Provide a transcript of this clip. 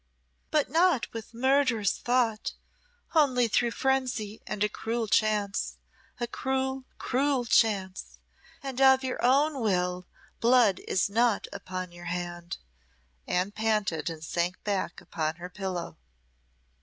"But not with murderous thought only through frenzy and a cruel chance a cruel, cruel chance. And of your own will blood is not upon your hand," Anne panted, and sank back upon her pillow.